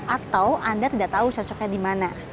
atau anda tidak tahu sosoknya di mana